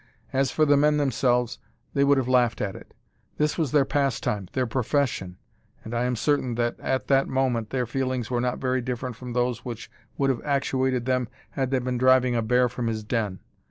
As for the men themselves, they would have laughed at it. This was their pastime, their profession, and I am certain that, at that moment, their feelings were not very different from those which would have actuated them had they been driving a bear from his den.